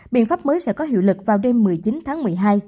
biện pháp mới sẽ có hiệu lực vào đêm một mươi chín tháng một mươi hai